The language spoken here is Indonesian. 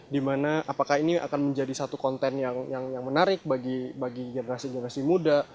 dimana apakah ini akan menjadi satu konten yang menarik bagi generasi generasi muda